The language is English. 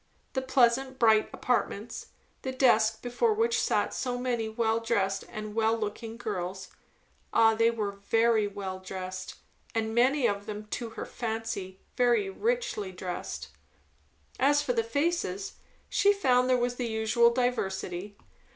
The pleasant, bright apartments; the desks before which sat so many well dressed and well looking girls; ah, they were very well dressed, and many of them, to her fancy, very richly dressed; as for the faces, she found there was the usual diversity.